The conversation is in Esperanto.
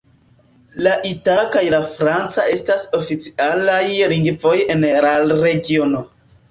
La itala kaj la franca estas oficialaj lingvoj en la regiono.